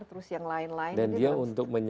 terus yang lain lain